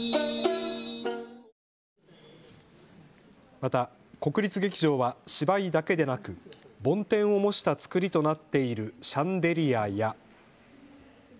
また国立劇場は芝居だけでなくぼん天を模したつくりとなっているシャンデリアや。